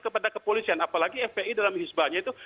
kepada kepolisian apalagi fpi dalam hisbahnya itu